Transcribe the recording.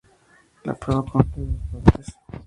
La prueba consta de dos partes.